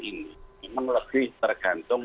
ini memang lebih tergantung